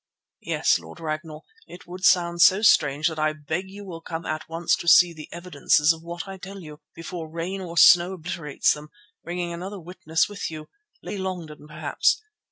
"Yes, Lord Ragnall, it would sound so strange that I beg you will come at once to see the evidences of what I tell you, before rain or snow obliterates them, bringing another witness with you. Lady Longden, perhaps."